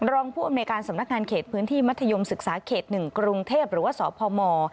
รองผู้อำนวยการสำนักงานเขตพื้นที่มัธยมศึกษาเขต๑กรุงเทพหรือว่าสพม